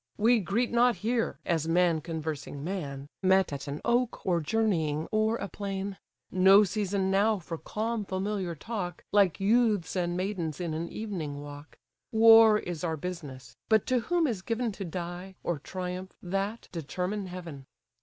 We greet not here, as man conversing man, Met at an oak, or journeying o'er a plain; No season now for calm familiar talk, Like youths and maidens in an evening walk: War is our business, but to whom is given To die, or triumph, that, determine Heaven!"